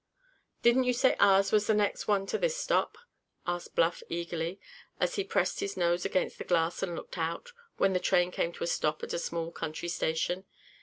"Didn't you say ours was the next one to this stop?" asked Bluff eagerly, as he pressed his nose against the glass and looked out, when the train came to a stop at a small country station.